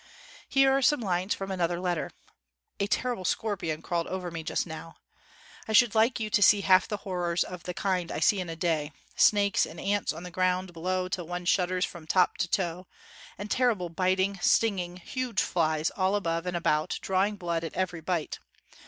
'' Here are some lines from another letter: "A terrible scorpion crawled over me just now. I should like you to see half the hor rors of the kind I see in a day — snakes and ants on the ground below till one shudders from top to toe, and terrible biting, sting ing, huge flies all above and about, drawing blood at every bite.